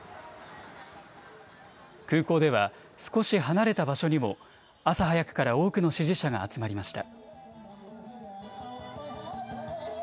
空港では少し離れた場所にも朝早くから多くの支持者が集まりました。